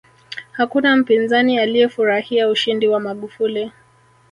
hakuna mpinzani aliyefurahia ushindi wa magufuli